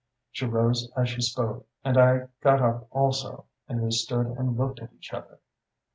"She rose as she spoke, and I got up also, and we stood and looked at each other.